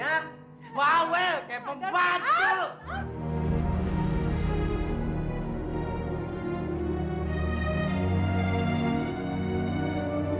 aduh kau belum ada berangkat sayang